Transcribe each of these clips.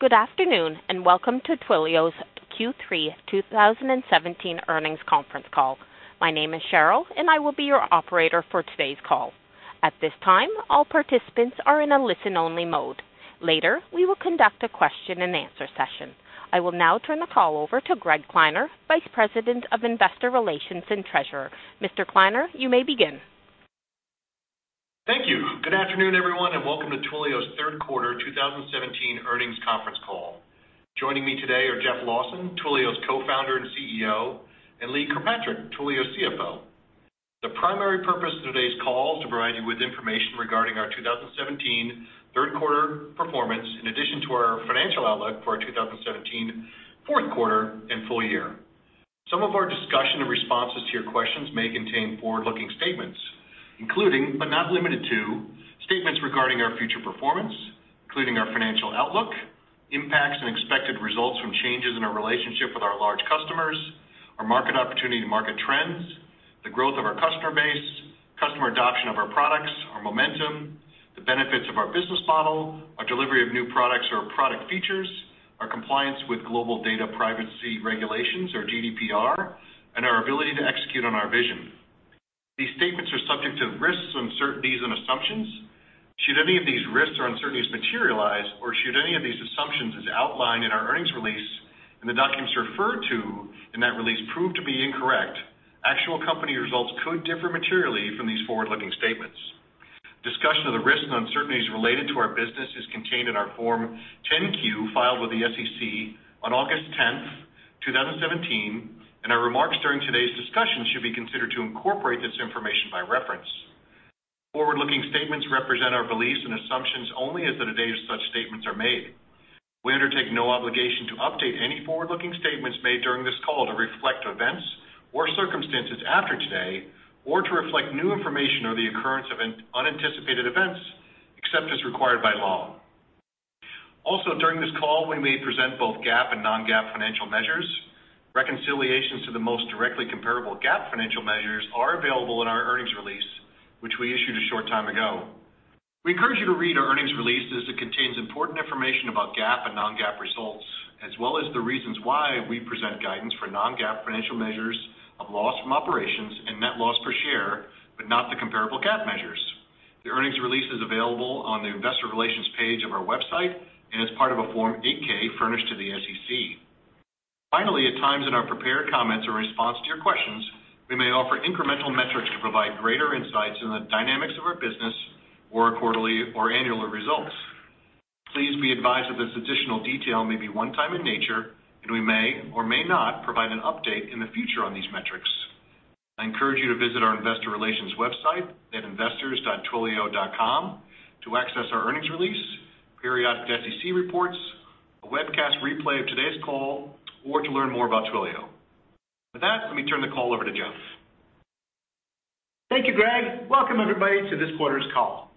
Good afternoon. Welcome to Twilio's Q3 2017 earnings conference call. My name is Cheryl, and I will be your operator for today's call. At this time, all participants are in a listen-only mode. Later, we will conduct a question and answer session. I will now turn the call over to Greg Kleiner, Vice President of Investor Relations and Treasurer. Mr. Kleiner, you may begin. Thank you. Good afternoon, everyone. Welcome to Twilio's third quarter 2017 earnings conference call. Joining me today are Jeff Lawson, Twilio's Co-founder and CEO, and Lee Kirkpatrick, Twilio's CFO. The primary purpose of today's call is to provide you with information regarding our 2017 third quarter performance, in addition to our financial outlook for our 2017 fourth quarter and full year. Some of our discussion and responses to your questions may contain forward-looking statements, including, but not limited to, statements regarding our future performance, including our financial outlook, impacts and expected results from changes in our relationship with our large customers, our market opportunity and market trends, the growth of our customer base, customer adoption of our products, our momentum, the benefits of our business model, our delivery of new products or product features, our compliance with global data privacy regulations or GDPR, and our ability to execute on our vision. These statements are subject to risks, uncertainties and assumptions. Should any of these risks or uncertainties materialize, or should any of these assumptions, as outlined in our earnings release and the documents referred to in that release, prove to be incorrect, actual company results could differ materially from these forward-looking statements. Discussion of the risks and uncertainties related to our business is contained in our Form 10-Q filed with the SEC on August 10, 2017. Our remarks during today's discussion should be considered to incorporate this information by reference. Forward-looking statements represent our beliefs and assumptions only as of the date such statements are made. We undertake no obligation to update any forward-looking statements made during this call to reflect events or circumstances after today, or to reflect new information or the occurrence of unanticipated events, except as required by law. Also, during this call, we may present both GAAP and non-GAAP financial measures. Reconciliations to the most directly comparable GAAP financial measures are available in our earnings release, which we issued a short time ago. We encourage you to read our earnings release, as it contains important information about GAAP and non-GAAP results, as well as the reasons why we present guidance for non-GAAP financial measures of loss from operations and net loss per share, but not the comparable GAAP measures. The earnings release is available on the investor relations page of our website and as part of a Form 8-K furnished to the SEC. Finally, at times in our prepared comments or response to your questions, we may offer incremental metrics to provide greater insights into the dynamics of our business or quarterly or annual results. Please be advised that this additional detail may be one-time in nature, and we may or may not provide an update in the future on these metrics. I encourage you to visit our investor relations website at investors.twilio.com to access our earnings release, periodic SEC reports, a webcast replay of today's call, or to learn more about Twilio. With that, let me turn the call over to Jeff. Thank you, Greg. Welcome, everybody, to this quarter's call.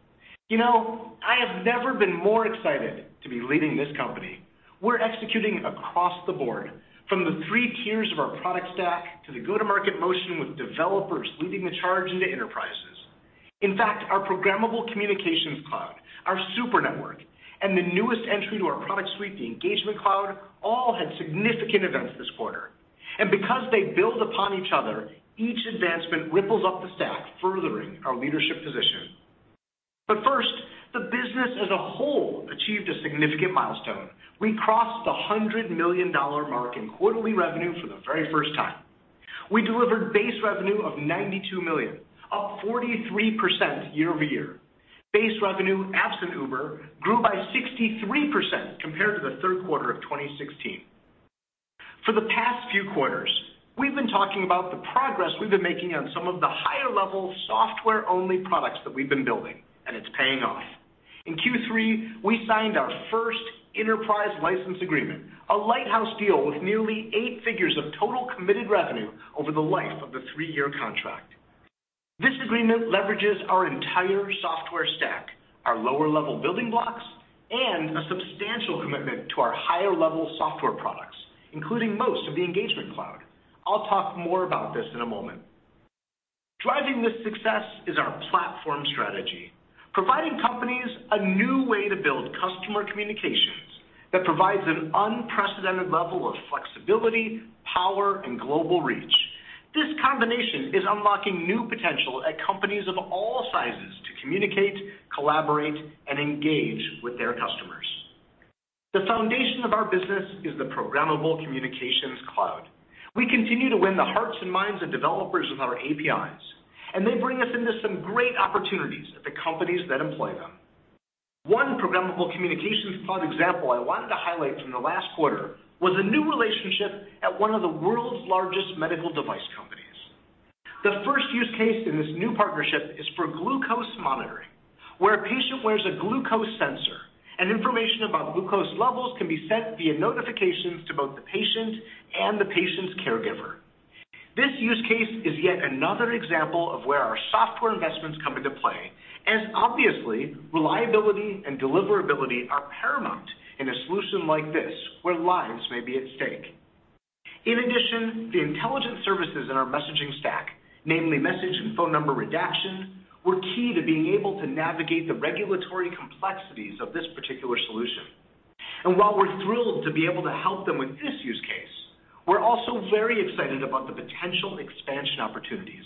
I have never been more excited to be leading this company. We're executing across the board, from the three tiers of our product stack to the go-to-market motion with developers leading the charge into enterprises. In fact, our Programmable Communications Cloud, our Super Network, and the newest entry to our product suite, the Customer Engagement Platform, all had significant events this quarter. Because they build upon each other, each advancement ripples up the stack, furthering our leadership position. First, the business as a whole achieved a significant milestone. We crossed the $100 million mark in quarterly revenue for the very first time. We delivered base revenue of $92 million, up 43% year-over-year. Base revenue, absent Uber, grew by 63% compared to the third quarter of 2016. For the past few quarters, we've been talking about the progress we've been making on some of the higher-level software-only products that we've been building, it's paying off. In Q3, we signed our first enterprise license agreement, a lighthouse deal with nearly eight figures of total committed revenue over the life of the three-year contract. This agreement leverages our entire software stack, our lower-level building blocks, and a substantial commitment to our higher-level software products, including most of the Customer Engagement Platform. I'll talk more about this in a moment. Driving this success is our platform strategy, providing companies a new way to build customer communications that provides an unprecedented level of flexibility, power, and global reach. This combination is unlocking new potential at companies of all sizes to communicate, collaborate, and engage with their customers. The foundation of our business is the Programmable Communications Cloud. We continue to win the hearts and minds of developers with our APIs, they bring us into some great opportunities at the companies that employ them. One Programmable Communications Cloud example I wanted to highlight from the last quarter was a new relationship at one of the world's largest medical device companies. The first use case in this new partnership is for glucose monitoring, where a patient wears a glucose sensor, and information about glucose levels can be sent via notifications to both the patient and the patient's caregiver. This use case is yet another example of where our software investments come into play, as obviously, reliability and deliverability are paramount in a solution like this, where lives may be at stake. In addition, the intelligent services in our messaging stack, namely message and phone number redaction, were key to being able to navigate the regulatory complexities of this particular solution. While we're thrilled to be able to help them with this use case, we're also very excited about the potential expansion opportunities.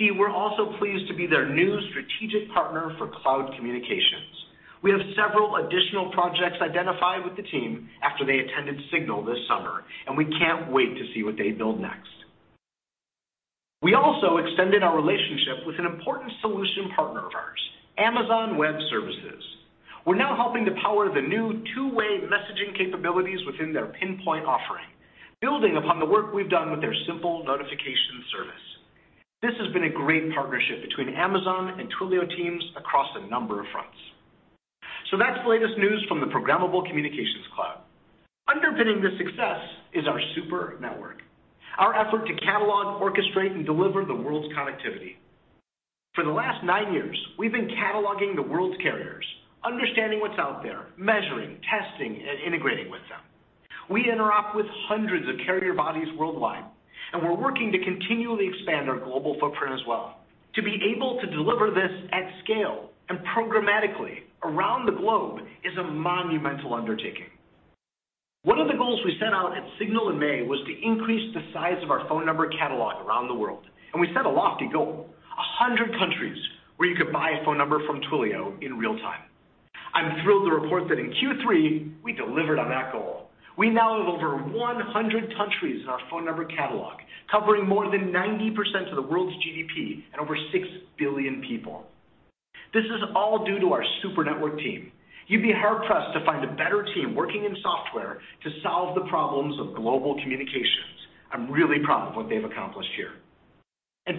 We're also pleased to be their new strategic partner for cloud communications. We have several additional projects identified with the team after they attended Signal this summer, we can't wait to see what they build next. We also extended our relationship with an important solution partner of ours, Amazon Web Services. We're now helping to power the new two-way messaging capabilities within their Pinpoint offering, building upon the work we've done with their Simple Notification Service. This has been a great partnership between Amazon and Twilio teams across a number of fronts. That's the latest news from the Programmable Communications Cloud. Underpinning this success is our Super Network, our effort to catalog, orchestrate, and deliver the world's connectivity. For the last nine years, we've been cataloging the world's carriers, understanding what's out there, measuring, testing, and integrating with them. We interact with hundreds of carrier bodies worldwide, we're working to continually expand our global footprint as well. To be able to deliver this at scale and programmatically around the globe is a monumental undertaking. One of the goals we set out at Signal in May was to increase the size of our phone number catalog around the world, we set a lofty goal, 100 countries where you could buy a phone number from Twilio in real time. I'm thrilled to report that in Q3, we delivered on that goal. We now have over 100 countries in our phone number catalog, covering more than 90% of the world's GDP and over six billion people. This is all due to our Super Network team. You'd be hard-pressed to find a better team working in software to solve the problems of global communications. I'm really proud of what they've accomplished here.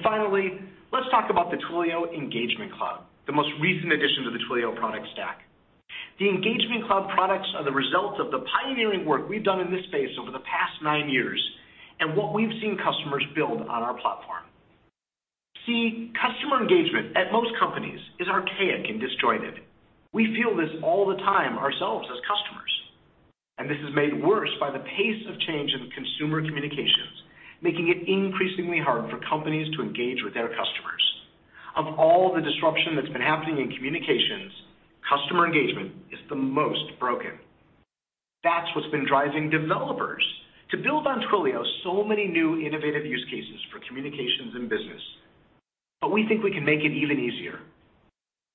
Finally, let's talk about the Twilio Engagement Cloud, the most recent addition to the Twilio product stack. The Engagement Cloud products are the result of the pioneering work we've done in this space over the past nine years and what we've seen customers build on our platform. Customer engagement at most companies is archaic and disjointed. We feel this all the time ourselves as customers, this is made worse by the pace of change in consumer communications, making it increasingly hard for companies to engage with their customers. Of all the disruption that's been happening in communications, customer engagement is the most broken. That's what's been driving developers to build on Twilio so many new innovative use cases for communications and business. We think we can make it even easier.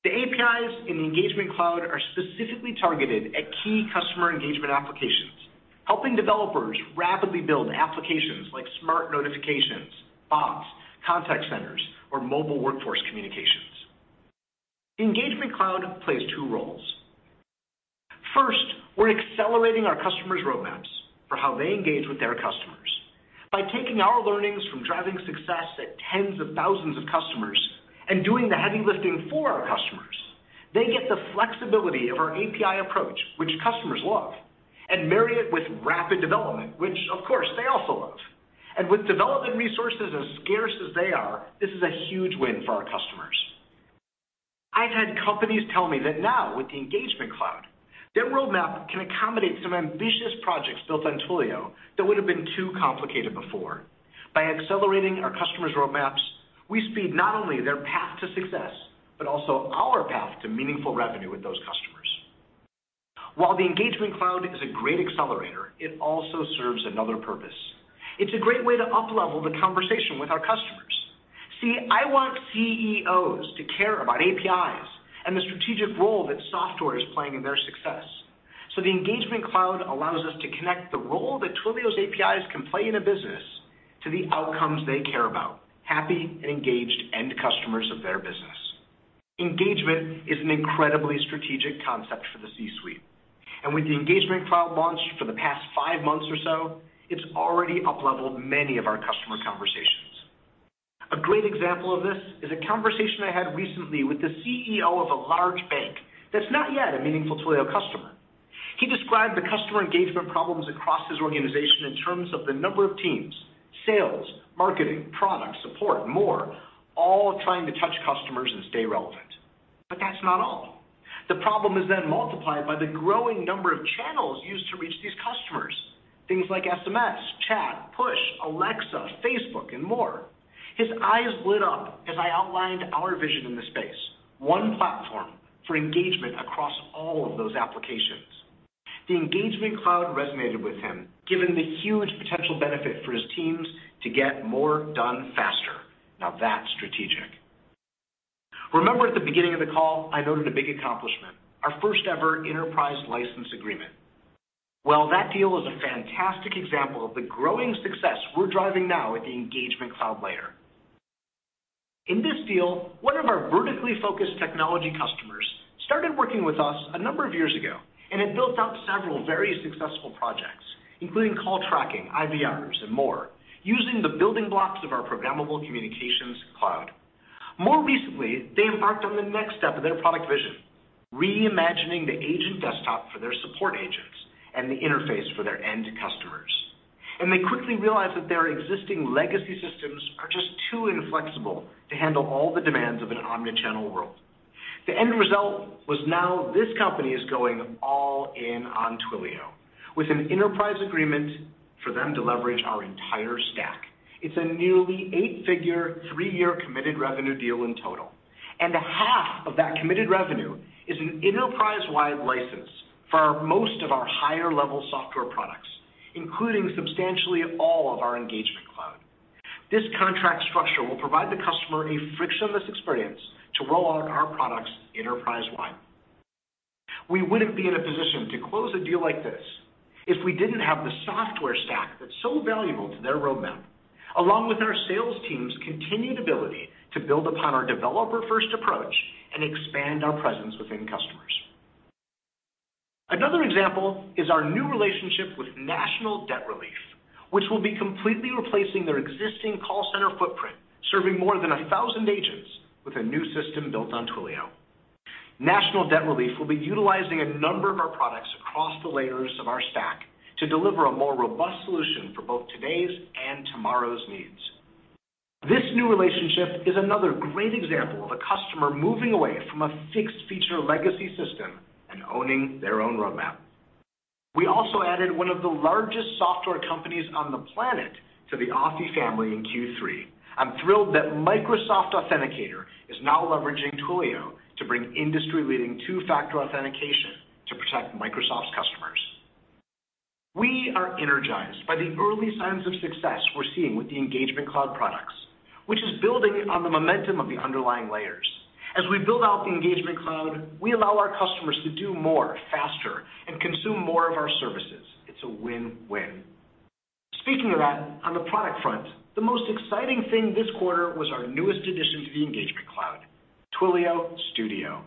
The APIs in the Engagement Cloud are specifically targeted at key customer engagement applications, helping developers rapidly build applications like smart notifications, bots, contact centers, or mobile workforce communications. Engagement Cloud plays two roles. First, we're accelerating our customers' roadmaps for how they engage with their customers. By taking our learnings from driving success at tens of thousands of customers and doing the heavy lifting for our customers, they get the flexibility of our API approach, which customers love, and marry it with rapid development, which of course, they also love. With development resources as scarce as they are, this is a huge win for our customers. I've had companies tell me that now with the Engagement Cloud, their roadmap can accommodate some ambitious projects built on Twilio that would have been too complicated before. By accelerating our customers' roadmaps, we speed not only their path to success, but also our path to meaningful revenue with those customers. While the Engagement Cloud is a great accelerator, it also serves another purpose. It's a great way to up-level the conversation with our customers. See, I want CEOs to care about APIs and the strategic role that software is playing in their success. The Engagement Cloud allows us to connect the role that Twilio's APIs can play in a business to the outcomes they care about, happy and engaged end customers of their business. Engagement is an incredibly strategic concept for the C-suite. With the Engagement Cloud launch for the past five months or so, it's already up-leveled many of our customer conversations. A great example of this is a conversation I had recently with the CEO of a large bank that's not yet a meaningful Twilio customer. He described the customer engagement problems across his organization in terms of the number of teams, sales, marketing, product, support, more, all trying to touch customers and stay relevant. That's not all. The problem is then multiplied by the growing number of channels used to reach these customers. Things like SMS, chat, push, Alexa, Facebook, and more. His eyes lit up as I outlined our vision in the space, one platform for engagement across all of those applications. The Engagement Cloud resonated with him, given the huge potential benefit for his teams to get more done faster. Now, that's strategic. Remember at the beginning of the call, I noted a big accomplishment, our first-ever enterprise license agreement. That deal is a fantastic example of the growing success we're driving now at the Engagement Cloud layer. In this deal, one of our vertically focused technology customers started working with us a number of years ago and had built out several very successful projects, including call tracking, IVRs, and more, using the building blocks of our Programmable Communications Cloud. More recently, they embarked on the next step of their product vision, reimagining the agent desktop for their support agents and the interface for their end customers. They quickly realized that their existing legacy systems are just too inflexible to handle all the demands of an omni-channel world. The end result was now this company is going all in on Twilio with an enterprise agreement for them to leverage our entire stack. It's a nearly eight-figure, three-year committed revenue deal in total, and half of that committed revenue is an enterprise-wide license for most of our higher-level software products, including substantially all of our Engagement Cloud. This contract structure will provide the customer a frictionless experience to roll out our products enterprise-wide. We wouldn't be in a position to close a deal like this if we didn't have the software stack that's so valuable to their roadmap, along with our sales team's continued ability to build upon our developer-first approach and expand our presence within customers. Another example is our new relationship with National Debt Relief, which will be completely replacing their existing call center footprint, serving more than 1,000 agents with a new system built on Twilio. National Debt Relief will be utilizing a number of our products across the layers of our stack to deliver a more robust solution for both today's and tomorrow's needs. This new relationship is another great example of a customer moving away from a fixed-feature legacy system and owning their own roadmap. We also added one of the largest software companies on the planet to the Authy family in Q3. I'm thrilled that Microsoft Authenticator is now leveraging Twilio to bring industry-leading two-factor authentication to protect Microsoft's customers. We are energized by the early signs of success we're seeing with the Engagement Cloud products, which is building on the momentum of the underlying layers. As we build out the Engagement Cloud, we allow our customers to do more faster and consume more of our services. It's a win-win. Speaking of that, on the product front, the most exciting thing this quarter was our newest addition to the Engagement Cloud, Twilio Studio.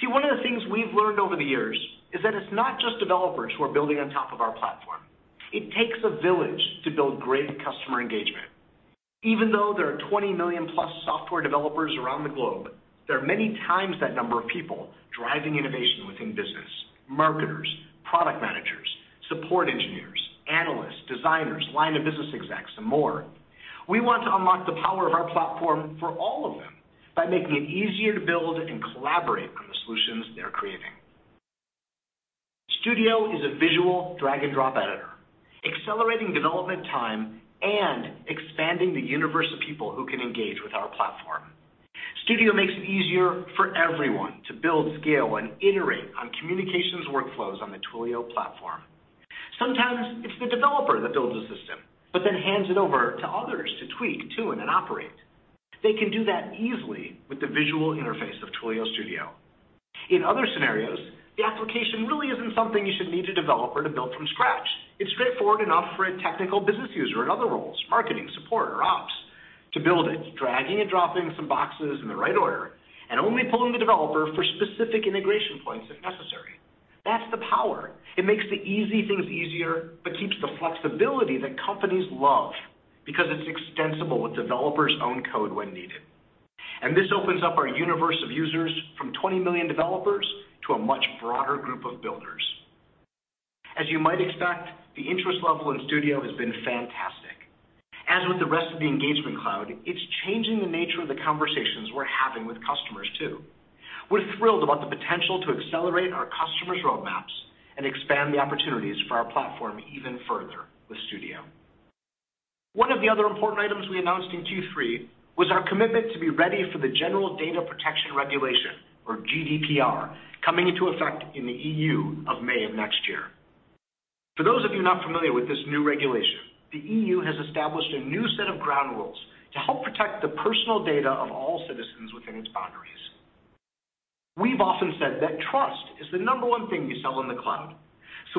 See, one of the things we've learned over the years is that it's not just developers who are building on top of our platform. It takes a village to build great customer engagement. Even though there are 20 million-plus software developers around the globe, there are many times that number of people driving innovation within business, marketers, product managers, support engineers, analysts, designers, line-of-business execs, and more. We want to unlock the power of our platform for all of them by making it easier to build and collaborate on the solutions they're creating. Studio is a visual drag-and-drop editor, accelerating development time and expanding the universe of people who can engage with our platform. Studio makes it easier for everyone to build, scale, and iterate on communications workflows on the Twilio platform. Sometimes it's the developer that builds a system, but then hands it over to others to tweak, tune, and operate. They can do that easily with the visual interface of Twilio Studio. In other scenarios, the application really isn't something you should need a developer to build from scratch. It's straightforward enough for a technical business user in other roles, marketing, support, or ops, to build it, dragging and dropping some boxes in the right order and only pulling the developer for specific integration points if necessary. That's the power. It makes the easy things easier, but keeps the flexibility that companies love because it's extensible with developers' own code when needed. This opens up our universe of users from 20 million developers to a much broader group of builders. As you might expect, the interest level in Studio has been fantastic. As with the rest of the Engagement Cloud, it's changing the nature of the conversations we're having with customers, too. We're thrilled about the potential to accelerate our customers' roadmaps and expand the opportunities for our platform even further with Studio. One of the other important items we announced in Q3 was our commitment to be ready for the General Data Protection Regulation, or GDPR, coming into effect in the EU of May of next year. For those of you not familiar with this new regulation, the EU has established a new set of ground rules to help protect the personal data of all citizens within its boundaries. We've often said that trust is the number one thing we sell in the cloud.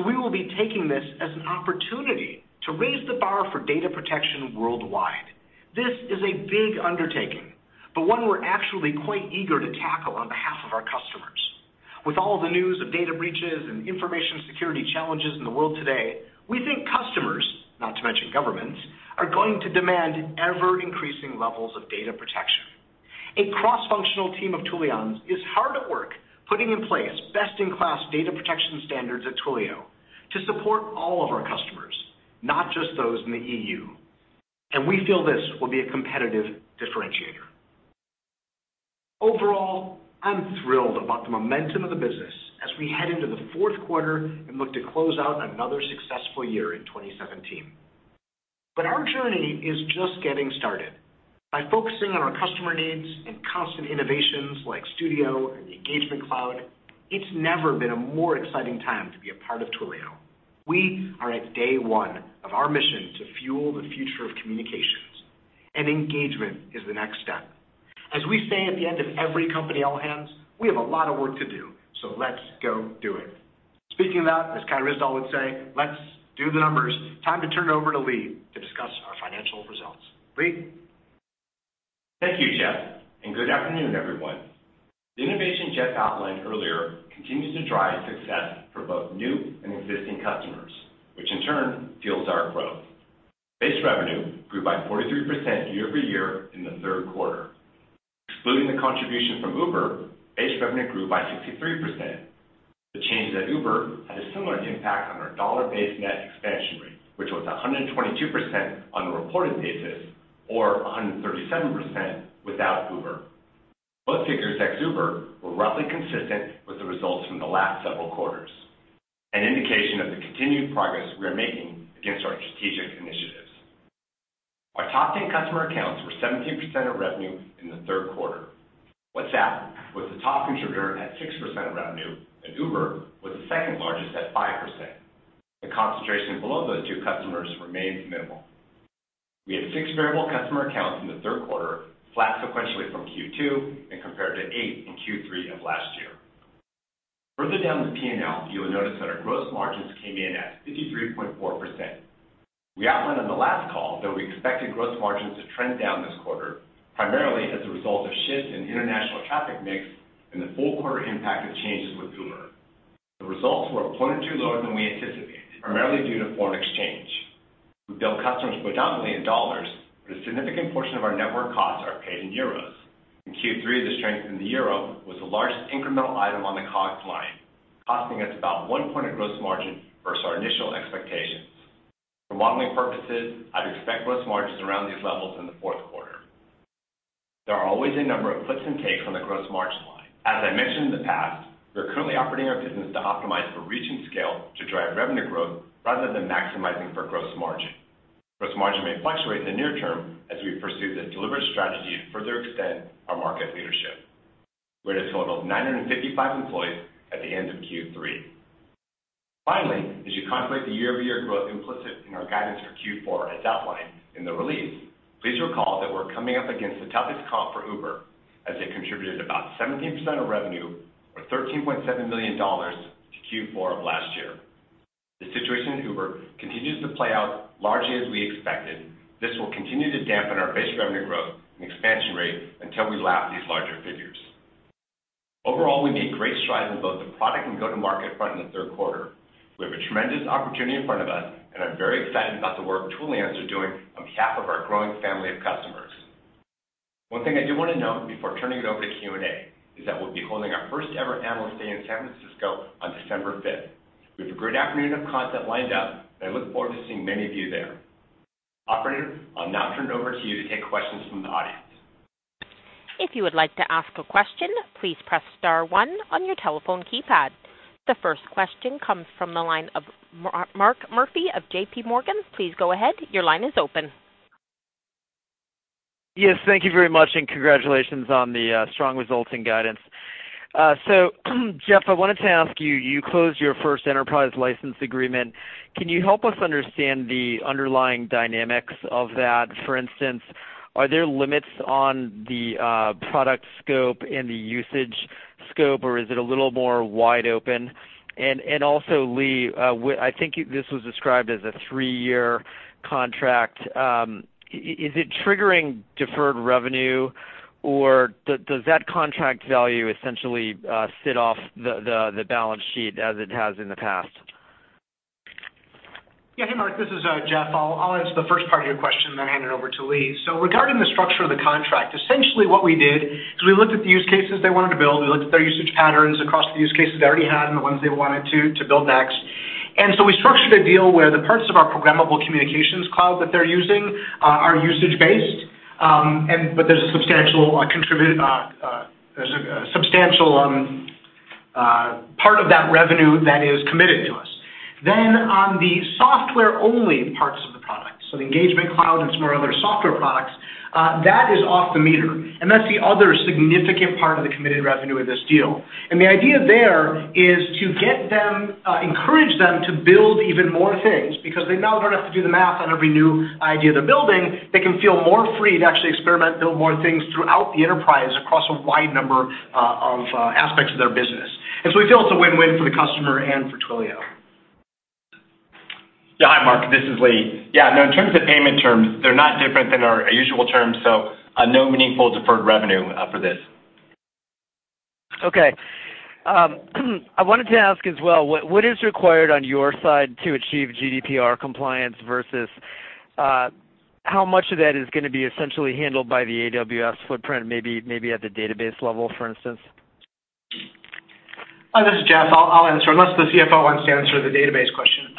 We will be taking this as an opportunity to raise the bar for data protection worldwide. This is a big undertaking, but one we're actually quite eager to tackle on behalf of our customers. With all the news of data breaches and information security challenges in the world today, we think customers, not to mention governments, are going to demand ever-increasing levels of data protection. A cross-functional team of Twilions is hard at work putting in place best-in-class data protection standards at Twilio to support all of our customers, not just those in the EU, and we feel this will be a competitive differentiator. Overall, I'm thrilled about the momentum of the business as we head into the fourth quarter and look to close out another successful year in 2017. Our journey is just getting started. By focusing on our customer needs and constant innovations like Studio and the Engagement Cloud, it's never been a more exciting time to be a part of Twilio. We are at day one of our mission to fuel the future of communications, and engagement is the next step. As we say at the end of every company all-hands, we have a lot of work to do, so let's go do it. Speaking of that, as Kai Ryssdal would say, let's do the numbers. Time to turn it over to Lee to discuss our financial results. Lee? Thank you, Jeff, and good afternoon, everyone. The innovation Jeff outlined earlier continues to drive success for both new and existing customers, which in turn fuels our growth. Base revenue grew by 43% year-over-year in the third quarter. Excluding the contribution from Uber, base revenue grew by 63%. The change at Uber had a similar impact on our dollar-based net expansion rate, which was 122% on a reported basis, or 137% without Uber. Both figures at Uber were roughly consistent with the results from the last several quarters, an indication of the continued progress we are making against our strategic initiatives. Our top 10 customer accounts were 17% of revenue in the third quarter. WhatsApp was the top contributor at 6% of revenue, and Uber was the second largest at 5%. The concentration below those two customers remains minimal. We had six variable customer accounts in the third quarter, flat sequentially from Q2 and compared to eight in Q3 of last year. Further down the P&L, you will notice that our gross margins came in at 53.4%. We outlined on the last call that we expected gross margins to trend down this quarter, primarily as a result of shifts in international traffic mix and the full quarter impact of changes with Uber. The results were a point or two lower than we anticipated, primarily due to foreign exchange. We bill customers predominantly in dollars, but a significant portion of our network costs are paid in euros. In Q3, the strength in the euro was the largest incremental item on the cost line, costing us about one point of gross margin versus our initial expectations. For modeling purposes, I'd expect gross margins around these levels in the fourth quarter. There are always a number of puts and takes on the gross margin line. As I mentioned in the past, we are currently operating our business to optimize for reach and scale to drive revenue growth rather than maximizing for gross margin. Gross margin may fluctuate in the near term as we pursue this deliberate strategy to further extend our market leadership. We had a total of 955 employees at the end of Q3. Finally, as you contemplate the year-over-year growth implicit in our guidance for Q4, as outlined in the release, please recall that we're coming up against the toughest comp for Uber as it contributed about 17% of revenue, or $13.7 million, to Q4 of last year. The situation at Uber continues to play out largely as we expected. This will continue to dampen our base revenue growth and expansion rate until we lap these larger figures. Overall, we made great strides in both the product and go-to-market front in the third quarter. We have a tremendous opportunity in front of us, and I'm very excited about the work Twilians are doing on behalf of our growing family of customers. One thing I do want to note before turning it over to Q&A is that we'll be holding our first-ever Analyst Day in San Francisco on December 5th. We have a great afternoon of content lined up, and I look forward to seeing many of you there. Operator, I'll now turn it over to you to take questions from the audience. If you would like to ask a question, please press star one on your telephone keypad. The first question comes from the line of Mark Murphy of JP Morgan. Please go ahead. Your line is open. Yes, thank you very much, and congratulations on the strong results and guidance. Jeff, I wanted to ask you closed your first enterprise license agreement. Can you help us understand the underlying dynamics of that? For instance, are there limits on the product scope and the usage scope, or is it a little more wide open? Also, Lee, I think this was described as a three-year contract. Is it triggering deferred revenue, or does that contract value essentially sit off the balance sheet as it has in the past? Yeah. Hey, Mark, this is Jeff. I'll answer the first part of your question, then hand it over to Lee. Regarding the structure of the contract, essentially what we did is we looked at the use cases they wanted to build, we looked at their usage patterns across the use cases they already had and the ones they wanted to build next. We structured a deal where the parts of our Programmable Communications Cloud that they're using are usage-based, but there's a substantial part of that revenue that is committed to us. Then on the software-only parts of the product, so the Engagement Cloud and some of our other software products, that is off the meter, and that's the other significant part of the committed revenue of this deal. The idea there is to encourage them to build even more things, because they now don't have to do the math on every new idea they're building. They can feel more free to actually experiment, build more things throughout the enterprise, across a wide number of aspects of their business. We feel it's a win-win for the customer and for Twilio. Yeah. Hi, Mark, this is Lee. Yeah, no, in terms of payment terms, they're not different than our usual terms, so no meaningful deferred revenue for this. Okay. I wanted to ask as well, what is required on your side to achieve GDPR compliance versus how much of that is going to be essentially handled by the AWS footprint, maybe at the database level, for instance? This is Jeff. I'll answer, unless the CFO wants to answer the database question.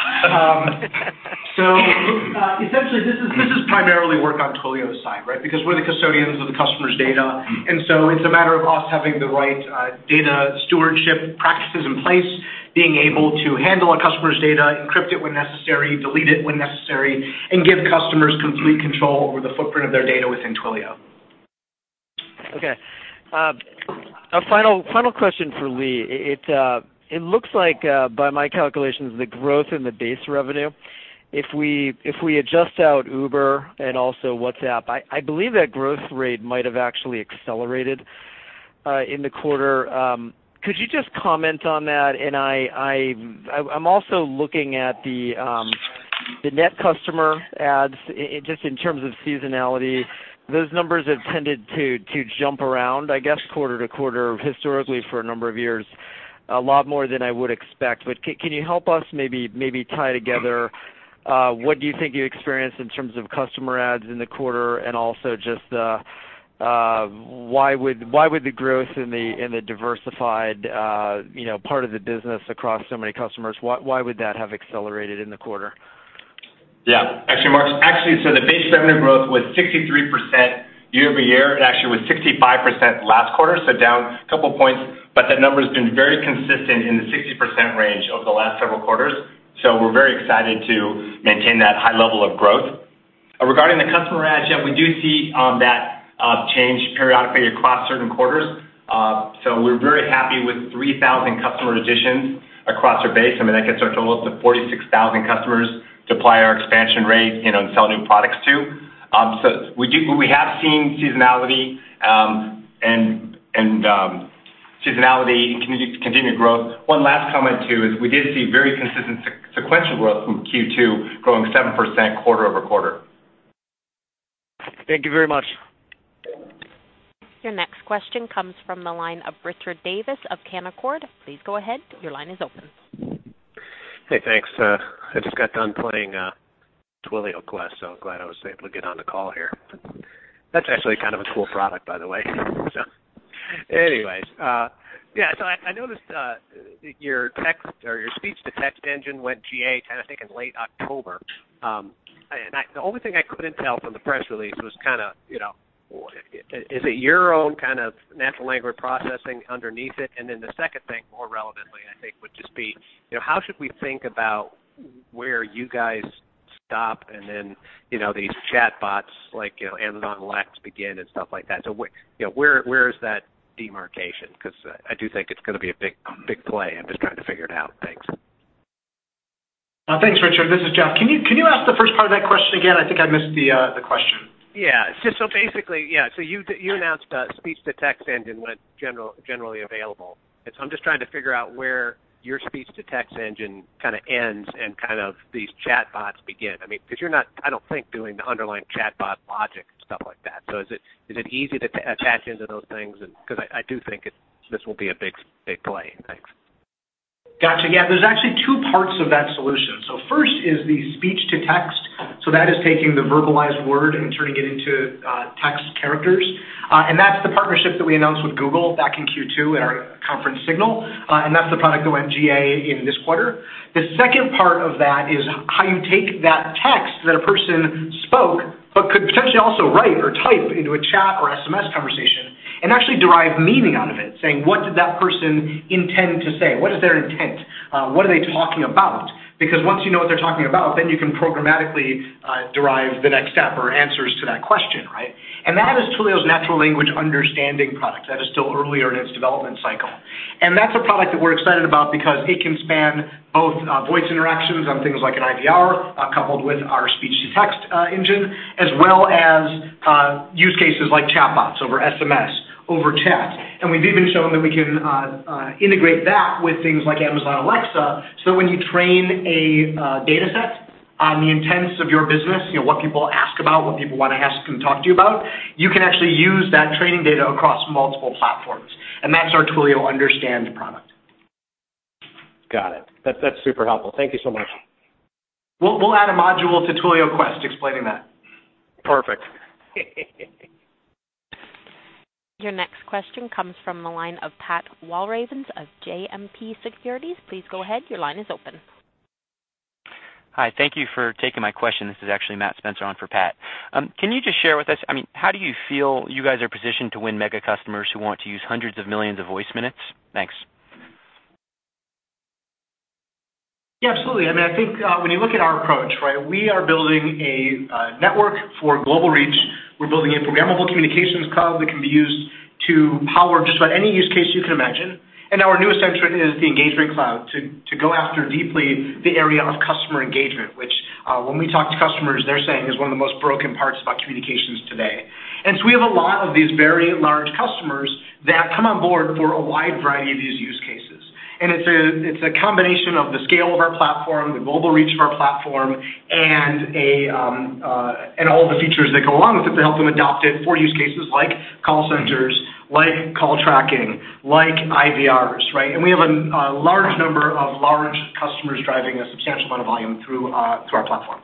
Essentially, this is primarily work on Twilio's side, right? Because we're the custodians of the customer's data, it's a matter of us having the right data stewardship practices in place, being able to handle our customer's data, encrypt it when necessary, delete it when necessary, and give customers complete control over the footprint of their data within Twilio. Okay. A final question for Lee. It looks like by my calculations, the growth in the base revenue, if we adjust out Uber and also WhatsApp, I believe that growth rate might have actually accelerated in the quarter. Could you just comment on that? I'm also looking at the net customer adds just in terms of seasonality. Those numbers have tended to jump around, I guess, quarter-to-quarter historically for a number of years, a lot more than I would expect. Can you help us maybe tie together what you think you experienced in terms of customer adds in the quarter and also just Why would the growth in the diversified part of the business across so many customers, why would that have accelerated in the quarter? Yeah. Actually, Mark, the base revenue growth was 63% year-over-year. It actually was 65% last quarter, down a couple points, that number has been very consistent in the 60% range over the last several quarters. We're very excited to maintain that high level of growth. Regarding the customer add, yeah, we do see that change periodically across certain quarters. We're very happy with 3,000 customer additions across our base. That gets our total up to 46,000 customers to apply our expansion rate and sell new products to. We have seen seasonality and continued growth. One last comment, too, is we did see very consistent sequential growth from Q2, growing 7% quarter-over-quarter. Thank you very much. Your next question comes from the line of Richard Davis of Canaccord. Please go ahead. Your line is open. Hey, thanks. I just got done playing TwilioQuest, glad I was able to get on the call here. That's actually kind of a cool product, by the way. Anyways. Yeah. I noticed your speech-to-text engine went GA, I think, in late October. The only thing I couldn't tell from the press release was, is it your own natural language processing underneath it? The second thing, more relevantly, I think, would just be, how should we think about where you guys stop and then these chatbots, like Amazon Lex begin and stuff like that. Where is that demarcation? Because I do think it's going to be a big play. I'm just trying to figure it out. Thanks. Thanks, Richard. This is Jeff. Can you ask the first part of that question again? I think I missed the question. Basically, you announced a speech-to-text engine went generally available. I'm just trying to figure out where your speech-to-text engine kind of ends and these chatbots begin. Because you're not, I don't think, doing the underlying chatbot logic and stuff like that. Is it easy to attach into those things? Because I do think this will be a big play. Thanks. Got you. Yeah, there's actually two parts of that solution. First is the speech-to-text. That is taking the verbalized word and turning it into text characters. That's the partnership that we announced with Google back in Q2 at our conference Signal. That's the product that went GA in this quarter. The second part of that is how you take that text that a person spoke, but could potentially also write or type into a chat or SMS conversation, and actually derive meaning out of it, saying, what did that person intend to say? What is their intent? What are they talking about? Once you know what they're talking about, then you can programmatically derive the next step or answers to that question, right? That is Twilio's natural language understanding product, that is still earlier in its development cycle. That's a product that we're excited about because it can span both voice interactions on things like an IVR, coupled with our speech-to-text engine, as well as use cases like chatbots over SMS, over chat. We've even shown that we can integrate that with things like Amazon Alexa. When you train a dataset on the intents of your business, what people ask about, what people want to ask and talk to you about, you can actually use that training data across multiple platforms. That's our Twilio Understand product. Got it. That's super helpful. Thank you so much. We'll add a module to TwilioQuest explaining that. Perfect. Your next question comes from the line of Pat Walravens of JMP Securities. Please go ahead. Your line is open. Hi. Thank you for taking my question. This is actually Mathew Spencer on for Pat. Can you just share with us, how do you feel you guys are positioned to win mega customers who want to use hundreds of millions of voice minutes? Thanks. Yeah, absolutely. I think when you look at our approach, we are building a network for global reach. We're building a Programmable Communications Cloud that can be used to power just about any use case you can imagine. Now our newest entrant is the Engagement Cloud, to go after deeply the area of customer engagement, which when we talk to customers, they're saying is one of the most broken parts about communications today. So we have a lot of these very large customers that come on board for a wide variety of these use cases. It's a combination of the scale of our platform, the global reach of our platform, and all the features that go along with it to help them adopt it for use cases like call centers, like call tracking, like IVRs, right? We have a large number of large customers driving a substantial amount of volume through our platform.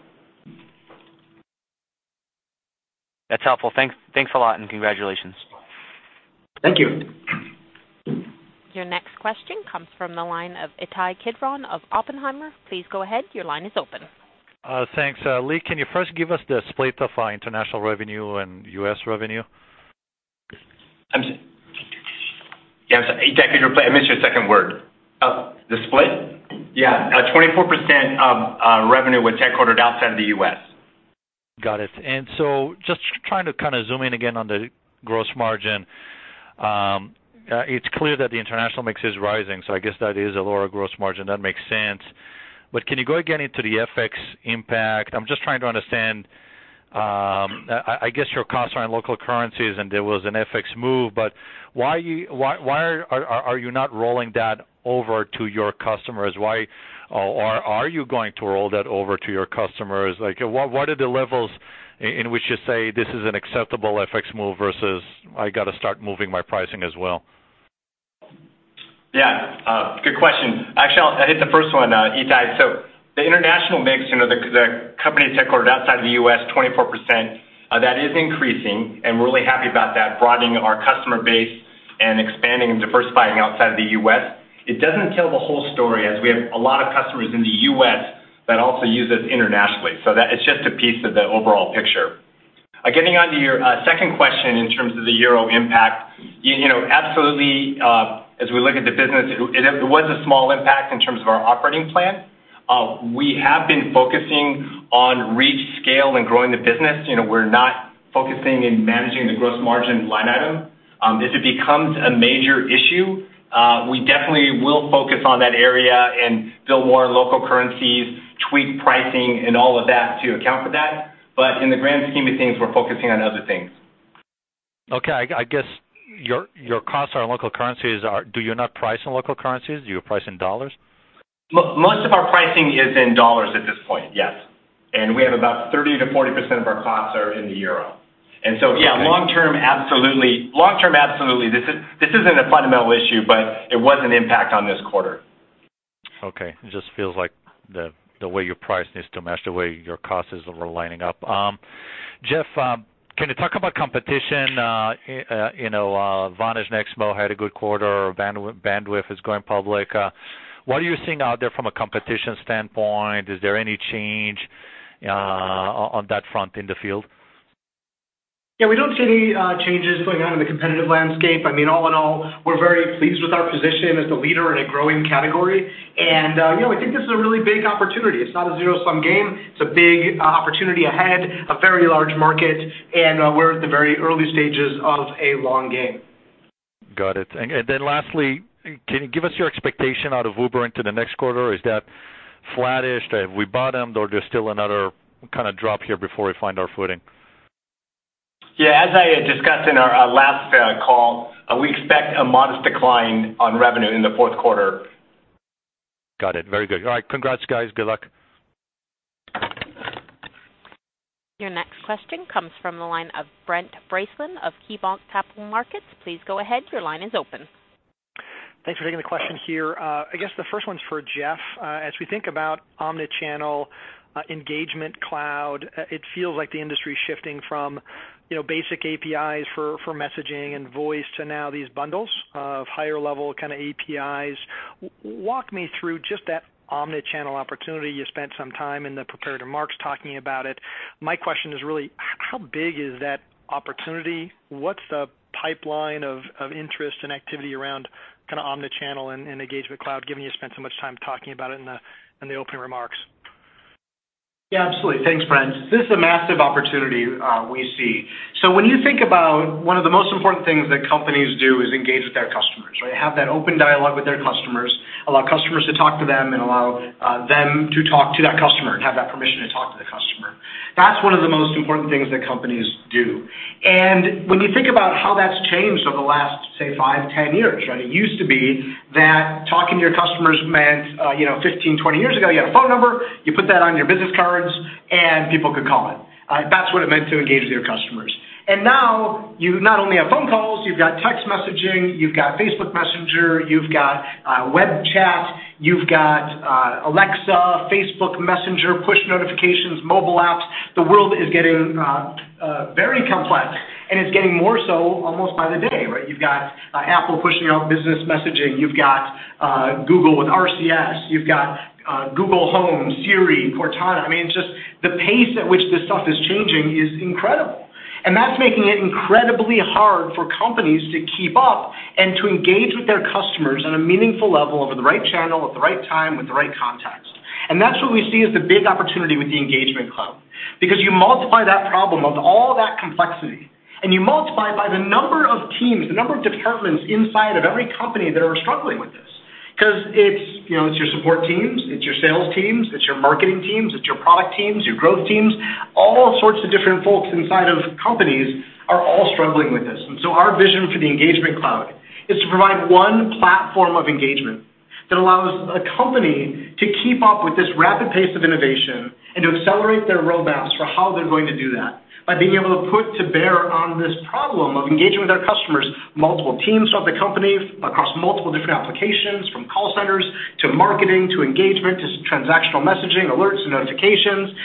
That's helpful. Thanks a lot, and congratulations. Thank you. Your next question comes from the line of Ittai Kidron of Oppenheimer. Please go ahead. Your line is open. Thanks. Lee, can you first give us the split of international revenue and U.S. revenue? Yeah. Can you repeat? I missed your second word. The split? Yeah. 24% of revenue was headquartered outside of the U.S. Got it. Just trying to kind of zoom in again on the gross margin. It's clear that the international mix is rising, so I guess that is a lower gross margin. That makes sense. Can you go again into the FX impact? I'm just trying to understand, I guess your costs are in local currencies, and there was an FX move, but why are you not rolling that over to your customers? Are you going to roll that over to your customers? What are the levels in which you say this is an acceptable FX move versus I got to start moving my pricing as well? Yeah. Good question. Actually, I'll hit the first one, Ittai. The international mix, the companies that are headquartered outside of the U.S., 24%, that is increasing, and we're really happy about that, broadening our customer base and expanding and diversifying outside of the U.S. It doesn't tell the whole story, as we have a lot of customers in the U.S. that also use us internationally. It's just a piece of the overall picture. Getting onto your second question in terms of the EUR impact. Absolutely, as we look at the business, it was a small impact in terms of our operating plan. We have been focusing on reach, scale, and growing the business. We're not focusing in managing the gross margin line item. If it becomes a major issue, we definitely will focus on that area and build more local currencies, tweak pricing, and all of that to account for that. In the grand scheme of things, we're focusing on other things. Okay. I guess your costs are on local currencies. Do you not price in local currencies? Do you price in dollars? Most of our pricing is in dollars at this point, yes. We have about 30%-40% of our costs are in the euro. Yeah, long-term, absolutely. This isn't a fundamental issue, but it was an impact on this quarter. Okay. It just feels like the way you price needs to match the way your costs are lining up. Jeff, can you talk about competition? Vonage and Nexmo had a good quarter. Bandwidth is going public. What are you seeing out there from a competition standpoint? Is there any change on that front in the field? Yeah, we don't see any changes going on in the competitive landscape. All in all, we're very pleased with our position as the leader in a growing category. We think this is a really big opportunity. It's not a zero-sum game, it's a big opportunity ahead, a very large market, and we're at the very early stages of a long game. Got it. Lastly, can you give us your expectation out of Uber into the next quarter? Is that flattish? Have we bottomed or there's still another drop here before we find our footing? Yeah, as I discussed in our last call, we expect a modest decline on revenue in the fourth quarter. Got it. Very good. All right. Congrats, guys. Good luck. Your next question comes from the line of Brent Bracelin of KeyBanc Capital Markets. Please go ahead. Your line is open. Thanks for taking the question here. I guess the first one's for Jeff. As we think about omnichannel engagement cloud, it feels like the industry is shifting from basic APIs for messaging and voice to now these bundles of higher-level kind of APIs. Walk me through just that omnichannel opportunity. You spent some time in the prepared remarks talking about it. My question is really, how big is that opportunity? What's the pipeline of interest and activity around omnichannel and engagement cloud, given you spent so much time talking about it in the opening remarks? Absolutely. Thanks, Brent. This is a massive opportunity we see. When you think about one of the most important things that companies do is engage with their customers, have that open dialogue with their customers, allow customers to talk to them and allow them to talk to that customer and have that permission to talk to the customer. That's one of the most important things that companies do. When you think about how that's changed over the last, say, 5 to 10 years, it used to be that talking to your customers meant 15, 20 years ago, you had a phone number, you put that on your business cards, and people could call it. That's what it meant to engage with your customers. Now you not only have phone calls, you've got text messaging, you've got Facebook Messenger, you've got web chat, you've got Alexa, Facebook Messenger, push notifications, mobile apps. The world is getting very complex, and it's getting more so almost by the day. You've got Apple pushing out business messaging. You've got Google with RCS. You've got Google Home, Siri, Cortana. The pace at which this stuff is changing is incredible, and that's making it incredibly hard for companies to keep up and to engage with their customers on a meaningful level over the right channel at the right time with the right context. That's what we see as the big opportunity with the Engagement Cloud. You multiply that problem of all that complexity, and you multiply it by the number of teams, the number of departments inside of every company that are struggling with this. It's your support teams, it's your sales teams, it's your marketing teams, it's your product teams, your growth teams, all sorts of different folks inside of companies are all struggling with this. Our vision for the Engagement Cloud is to provide one platform of engagement that allows a company to keep up with this rapid pace of innovation and to accelerate their roadmaps for how they're going to do that by being able to put to bear on this problem of engaging with our customers, multiple teams throughout the company across multiple different applications, from call centers to marketing to engagement to transactional messaging, alerts and notifications,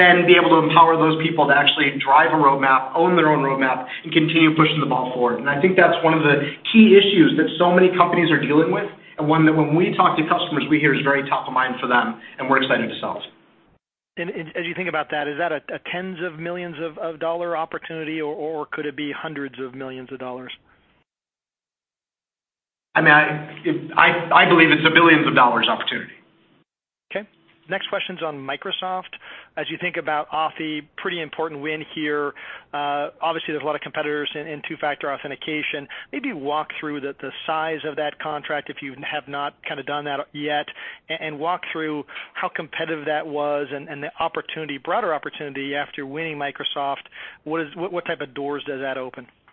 then be able to empower those people to actually drive a roadmap, own their own roadmap, and continue pushing the ball forward. I think that's one of the key issues that so many companies are dealing with, one that when we talk to customers we hear is very top of mind for them, we're excited to solve. As you think about that, is that a tens of millions of dollar opportunity, or could it be hundreds of millions of dollars? I believe it's a billions of dollars opportunity. Okay. Next question's on Microsoft. As you think about Authy, pretty important win here. Obviously, there's a lot of competitors in two-factor authentication. Maybe walk through the size of that contract if you have not done that yet, and walk through how competitive that was and the broader opportunity after winning Microsoft. What type of doors does that open? Yeah,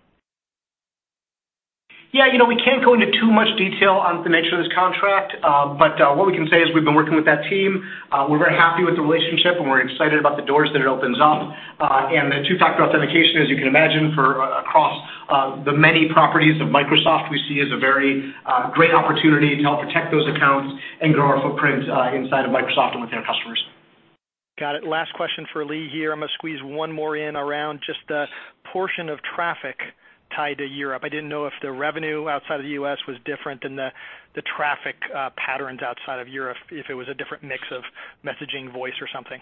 we can't go into too much detail on the nature of this contract. What we can say is we've been working with that team. We're very happy with the relationship, and we're excited about the doors that it opens up. The two-factor authentication, as you can imagine for the many properties of Microsoft we see as a very great opportunity to help protect those accounts and grow our footprint inside of Microsoft and with their customers. Got it. Last question for Lee here. I'm going to squeeze one more in around just the portion of traffic tied to Europe. I didn't know if the revenue outside of the U.S. was different than the traffic patterns outside of Europe, if it was a different mix of messaging, voice, or something.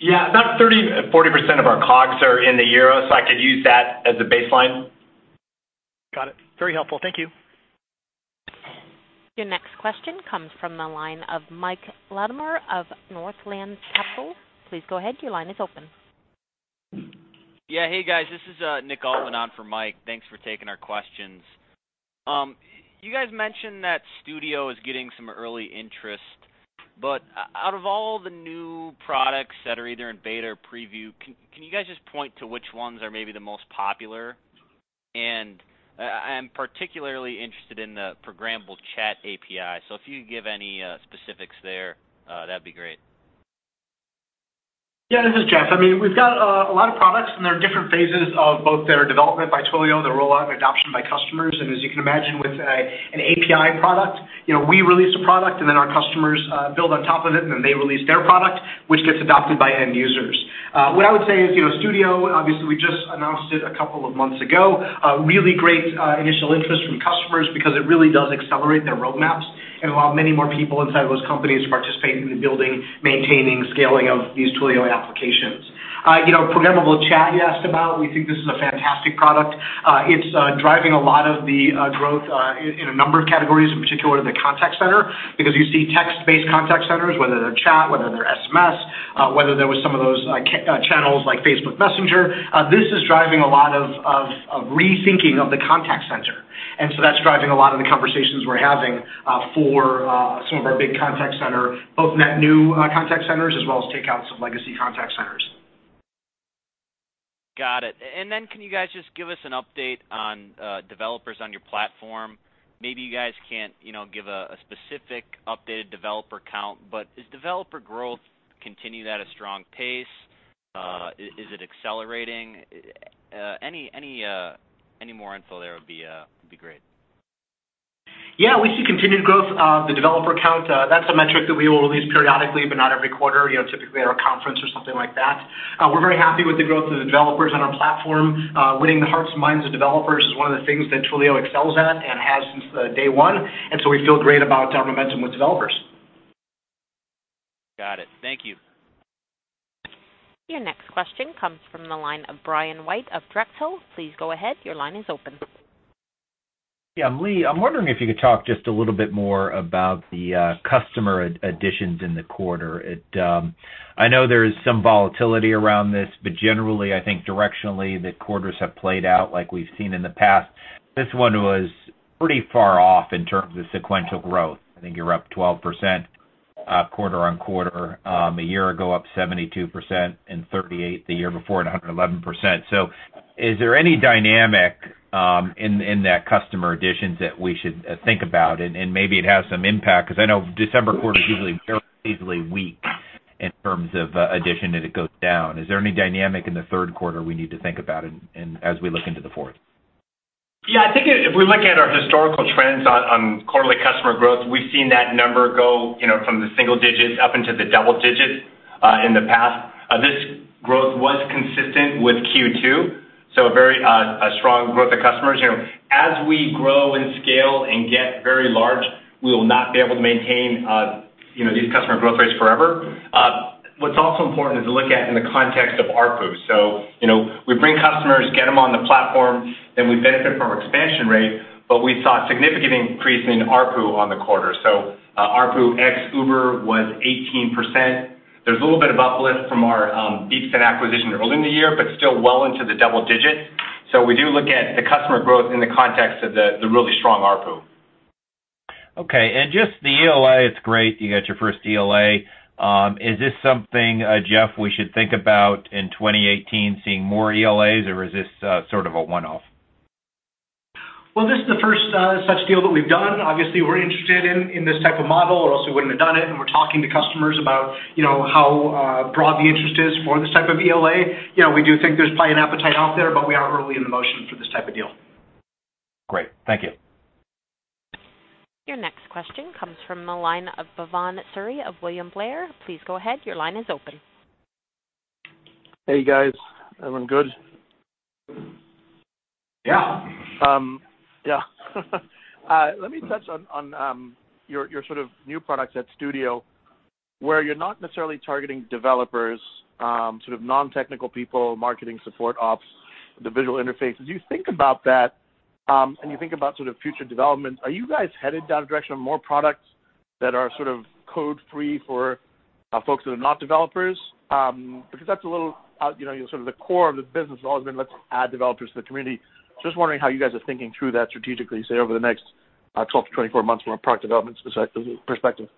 Yeah. About 30%-40% of our COGS are in the euro, I could use that as a baseline. Got it. Very helpful. Thank you. Your next question comes from the line of Mike Latimore of Northland Capital. Please go ahead, your line is open. Yeah. Hey, guys. This is Nick Altman on for Mike. Thanks for taking our questions. You guys mentioned that Studio is getting some early interest. Out of all the new products that are either in beta or preview, can you guys just point to which ones are maybe the most popular? I'm particularly interested in the programmable chat API, if you could give any specifics there, that'd be great. Yeah, this is Jeff. We've got a lot of products. They're in different phases of both their development by Twilio, their rollout and adoption by customers. As you can imagine with an API product, we release a product. Our customers build on top of it. They release their product, which gets adopted by end users. What I would say is, Studio, obviously we just announced it a couple of months ago. Really great initial interest from customers because it really does accelerate their roadmaps and allow many more people inside those companies to participate in the building, maintaining, scaling of these Twilio applications. Programmable chat, you asked about, we think this is a fantastic product. It's driving a lot of the growth in a number of categories, in particular the contact center, because you see text-based contact centers, whether they're chat, whether they're SMS, whether there was some of those channels like Facebook Messenger. This is driving a lot of rethinking of the contact center. That's driving a lot of the conversations we're having for some of our big contact center, both net new contact centers as well as takeouts of legacy contact centers. Got it. Can you guys just give us an update on developers on your platform? Maybe you guys can't give a specific updated developer count, but does developer growth continue at a strong pace? Is it accelerating? Any more info there would be great. Yeah. We see continued growth of the developer count. That's a metric that we will release periodically, but not every quarter, typically at our conference or something like that. We're very happy with the growth of the developers on our platform. Winning the hearts and minds of developers is one of the things that Twilio excels at and has since day one. We feel great about our momentum with developers. Got it. Thank you. Your next question comes from the line of Brian White of Drexel. Please go ahead. Your line is open. Yeah. Lee, I'm wondering if you could talk just a little bit more about the customer additions in the quarter. I know there is some volatility around this, but generally, I think directionally, the quarters have played out like we've seen in the past. This one was pretty far off in terms of sequential growth. I think you're up 12% quarter-over-quarter. A year ago, up 72% and 38% the year before at 111%. Is there any dynamic in that customer additions that we should think about and maybe it has some impact? Because I know December quarter is usually fairly easily weak in terms of addition and it goes down. Is there any dynamic in the third quarter we need to think about as we look into the fourth? I think if we look at our historical trends on quarterly customer growth, we've seen that number go from the single digits up into the double digits in the past. This growth was consistent with Q2, a very strong growth of customers. As we grow and scale and get very large, we will not be able to maintain these customer growth rates forever. What's also important is to look at in the context of ARPU. We bring customers, get them on the platform, then we benefit from our expansion rate, but we saw a significant increase in ARPU on the quarter. ARPU ex Uber was 18%. There's a little bit of uplift from our Beepsend acquisition earlier in the year, but still well into the double digits. We do look at the customer growth in the context of the really strong ARPU. Okay. Just the ELA, it's great that you got your first ELA. Is this something, Jeff, we should think about in 2018, seeing more ELAs, or is this sort of a one-off? Well, this is the first such deal that we've done. Obviously, we're interested in this type of model, or else we wouldn't have done it, and we're talking to customers about how broad the interest is for this type of ELA. We do think there's probably an appetite out there, but we are early in the motion for this type of deal. Great. Thank you. Your next question comes from the line of Bhavan Suri of William Blair. Please go ahead. Your line is open. Hey, guys. Doing good? Yeah. Yeah. Let me touch on your sort of new products at Studio where you're not necessarily targeting developers, sort of non-technical people, marketing support ops, the visual interfaces. You think about that, you think about sort of future developments. Are you guys headed down a direction of more products that are sort of code free for folks that are not developers? That's a little The core of the business has always been let's add developers to the community. Just wondering how you guys are thinking through that strategically, say, over the next 12-24 months from a product development perspective.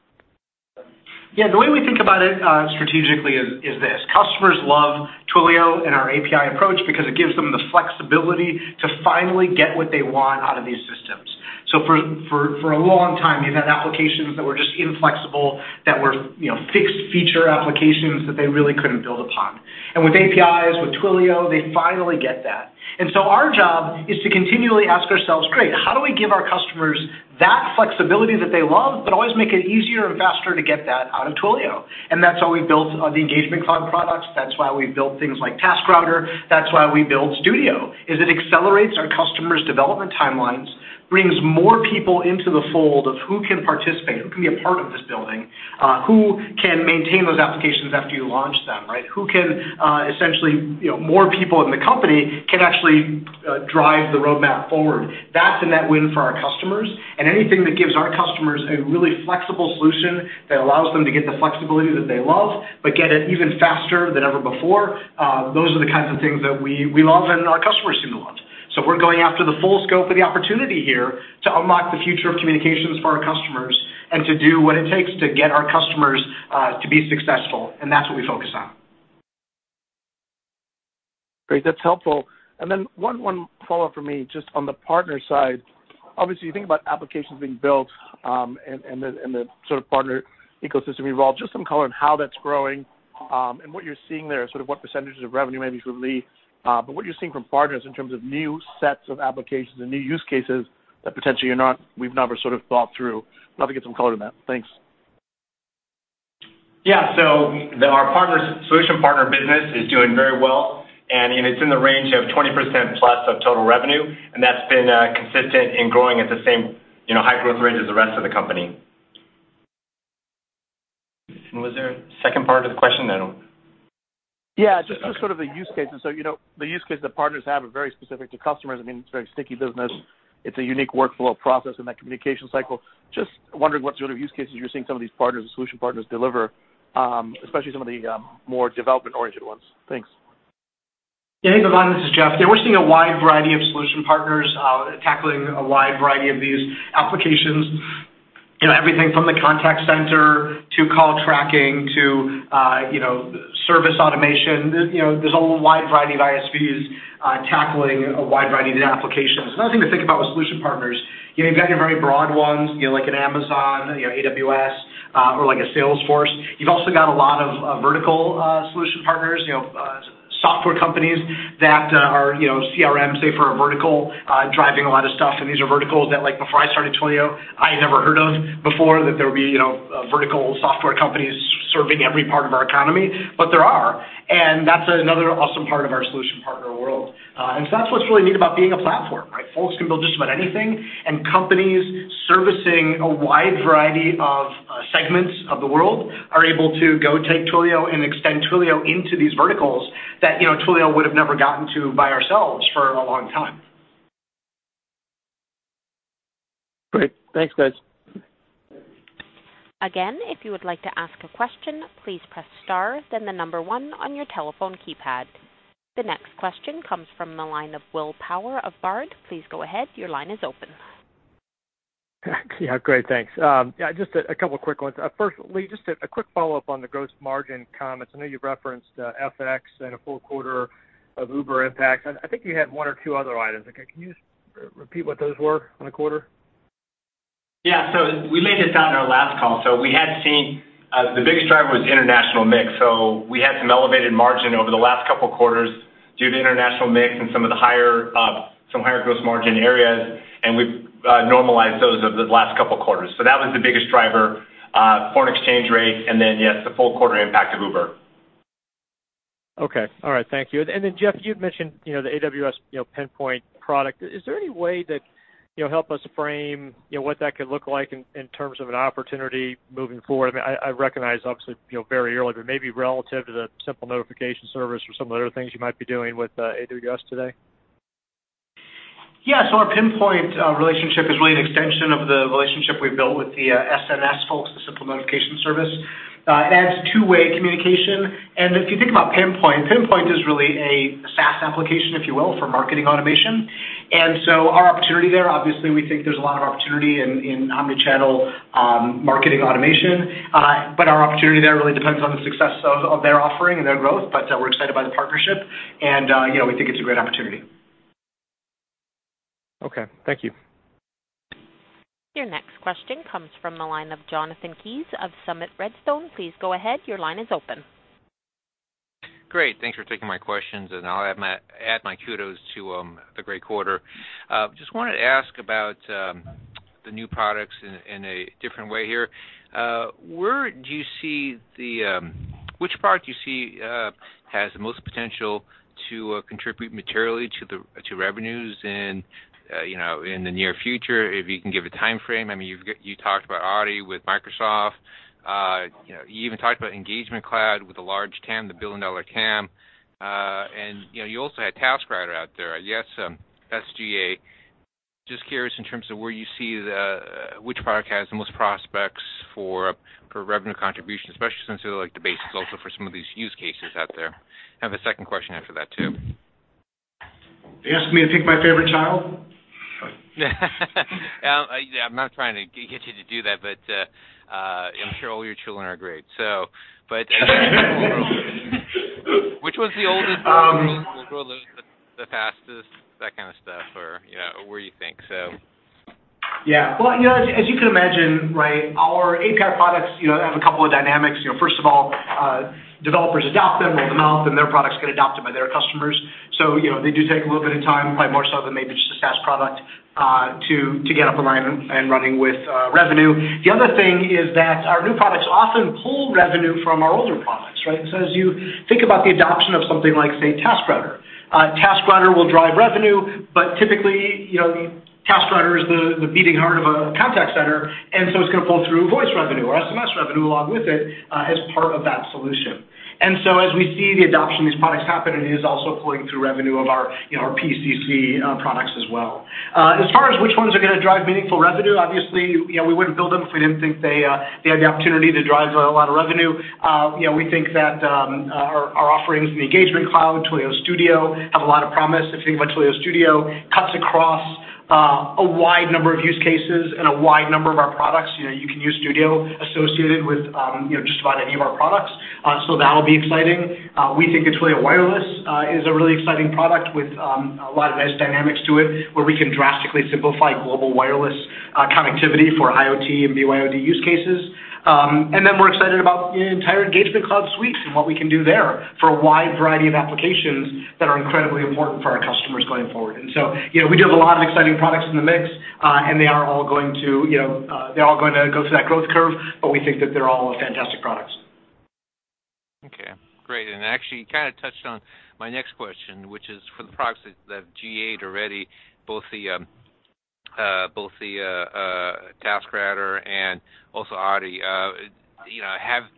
Yeah. The way we think about it strategically is this. Customers love Twilio and our API approach because it gives them the flexibility to finally get what they want out of these systems. For a long time, we've had applications that were just inflexible, that were fixed feature applications that they really couldn't build upon. With APIs, with Twilio, they finally get that. Our job is to continually ask ourselves, great, how do we give our customers that flexibility that they love, but always make it easier and faster to get that out of Twilio? That's why we've built the Engagement Cloud products, that's why we've built things like Task Router, that's why we build Studio, it accelerates our customers' development timelines, brings more people into the fold of who can participate, who can be a part of this building, who can maintain those applications after you launch them, right? Who can, essentially, more people in the company can actually drive the roadmap forward. That's a net win for our customers, anything that gives our customers a really flexible solution that allows them to get the flexibility that they love, but get it even faster than ever before, those are the kinds of things that we love and our customers seem to love. We're going after the full scope of the opportunity here to unlock the future of communications for our customers, and to do what it takes to get our customers to be successful. That's what we focus on. Great. That's helpful. Then one follow-up from me, just on the partner side. Obviously, you think about applications being built, and the sort of partner ecosystem involved, just some color on how that's growing, and what you're seeing there, sort of what percentages of revenue, maybe for Lee. What are you seeing from partners in terms of new sets of applications and new use cases that potentially we've never sort of thought through. Love to get some color on that. Thanks. Yeah. Our solution partner business is doing very well, and it's in the range of 20% plus of total revenue, and that's been consistent in growing at the same high growth rate as the rest of the company. Was there a second part of the question? I don't- Yeah. Okay. Just sort of the use cases. The use cases that partners have are very specific to customers. I mean, it's a very sticky business. It's a unique workflow process in that communication cycle. Just wondering what sort of use cases you're seeing some of these partners or solution partners deliver, especially some of the more development-oriented ones. Thanks. Yeah. Hey, Bhavan, this is Jeff. We're seeing a wide variety of solution partners, tackling a wide variety of these applications. Everything from the contact center to call tracking to service automation. There's a whole wide variety of ISVs tackling a wide variety of applications. Another thing to think about with solution partners, you've got your very broad ones, like an Amazon, AWS, or like a Salesforce. You've also got a lot of vertical solution partners, software companies that are CRMs, say, for a vertical, driving a lot of stuff. These are verticals that, before I started Twilio, I had never heard of before, that there would be vertical software companies serving every part of our economy, but there are. That's another awesome part of our solution partner world. That's what's really neat about being a platform, right? Folks can build just about anything, and companies servicing a wide variety of segments of the world are able to go take Twilio and extend Twilio into these verticals that Twilio would've never gotten to by ourselves for a long time. Great. Thanks, guys. Again, if you would like to ask a question, please press star then the number one on your telephone keypad. The next question comes from the line of William Power of Baird. Please go ahead. Your line is open. Great, thanks. Just a couple quick ones. First, Lee, just a quick follow-up on the gross margin comments. I know you've referenced FX and a full quarter of Uber impact. I think you had one or two other items. Can you just repeat what those were on the quarter? We laid this out in our last call. We had seen the biggest driver was international mix. We had some elevated margin over the last couple of quarters due to international mix and some of the higher gross margin areas, and we've normalized those over the last couple of quarters. That was the biggest driver, foreign exchange rate, and then, yes, the full quarter impact of Uber. Okay. All right. Thank you. Jeff, you had mentioned the AWS Pinpoint product. Is there any way that you'll help us frame what that could look like in terms of an opportunity moving forward? I mean, I recognize obviously, very early, but maybe relative to the Amazon Simple Notification Service or some of the other things you might be doing with AWS today. Our Amazon Pinpoint relationship is really an extension of the relationship we've built with the SNS folks, the Amazon Simple Notification Service. It adds two-way communication. If you think about Amazon Pinpoint, Amazon Pinpoint is really a SaaS application, if you will, for marketing automation. Our opportunity there, obviously, we think there's a lot of opportunity in omnichannel marketing automation. Our opportunity there really depends on the success of their offering and their growth, we're excited by the partnership, and we think it's a great opportunity. Okay. Thank you. Your next question comes from the line of Jonathan Kees of Summit Redstone. Please go ahead. Your line is open. Great. Thanks for taking my questions, I'll add my kudos to the great quarter. Just wanted to ask about the new products in a different way here. Which product do you see has the most potential to contribute materially to revenues in the near future? If you can give a timeframe, I mean, you talked about already with Microsoft, you even talked about Customer Engagement Platform with a large TAM, the $1 billion TAM. You also had TaskRouter out there. You got some SG&A. Just curious in terms of where you see which product has the most prospects for revenue contribution, especially since they're like the basis also for some of these use cases out there. I have a second question after that, too. You're asking me to pick my favorite child? I'm not trying to get you to do that, but I'm sure all your children are great. Which one's the oldest? The fastest, that kind of stuff, or where you think so. As you can imagine, our API products have a couple of dynamics. First of all, developers adopt them, roll them out, then their products get adopted by their customers. They do take a little bit of time, probably more so than maybe just a SaaS product, to get up and running with revenue. The other thing is that our new products often pull revenue from our older products. As you think about the adoption of something like, say, TaskRouter. TaskRouter will drive revenue, but typically, TaskRouter is the beating heart of a contact center, it's going to pull through voice revenue or SMS revenue along with it as part of that solution. As we see the adoption of these products happen, it is also pulling through revenue of our PCC products as well. As far as which ones are going to drive meaningful revenue, obviously, we wouldn't build them if we didn't think they had the opportunity to drive a lot of revenue. We think that our offerings in the Engagement Cloud, Twilio Studio, have a lot of promise. If you think about Twilio Studio, cuts across a wide number of use cases and a wide number of our products. You can use Studio associated with just about any of our products. That'll be exciting. We think that Twilio Wireless is a really exciting product with a lot of nice dynamics to it, where we can drastically simplify global wireless connectivity for IoT and BYOD use cases. We're excited about the entire Engagement Cloud suites and what we can do there for a wide variety of applications that are incredibly important for our customers going forward. We do have a lot of exciting products in the mix, and they are all going to go through that growth curve, but we think that they're all fantastic products. Okay, great. Actually, you touched on my next question, which is for the products that have GA'd already, both the TaskRouter and also Authy,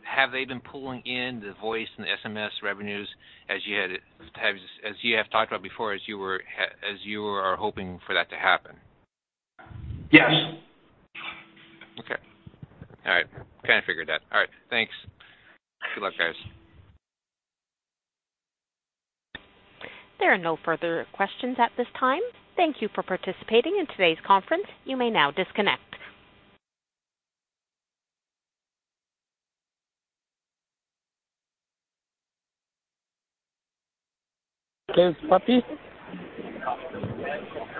have they been pulling in the voice and SMS revenues as you have talked about before, as you are hoping for that to happen? Yes. Okay. All right. Kind of figured that. All right. Thanks. Good luck, guys. There are no further questions at this time. Thank you for participating in today's conference. You may now disconnect.